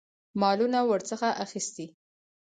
مالونه ورڅخه اخیستي.